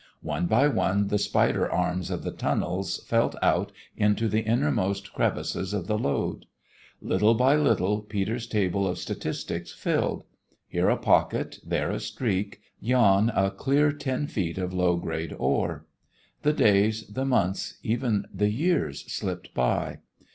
One by one the spider arms of the tunnels felt out into the innermost crevices of the lode. Little by little Peter's table of statistics filled; here a pocket, there a streak, yon a clear ten feet of low grade ore. The days, the months, even the years slipped by.